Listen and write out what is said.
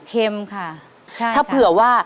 เค็มค่ะ